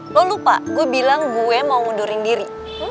lo lupa gue bilang gue mau mundurin diri